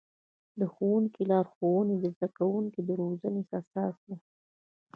د ښوونکي لارښوونې د زده کوونکو د روزنې اساس و.